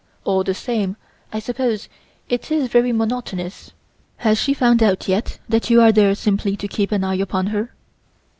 All the same I suppose it is very monotonous. Has she found out yet that you are there simply to keep an eye upon her?"